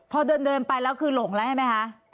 พอเดินไปแล้วคือหลงแล้วใช่ไหมคะ